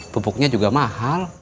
pupuknya juga mahal